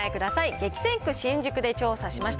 激戦区新宿で調査しました。